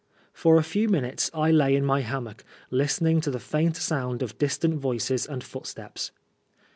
For a few minutes I lay in my hammock, listening to the faint sound of distant voices and footsteps.